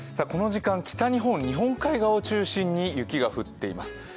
この時間、北日本、日本海側を中心に雪が降っています。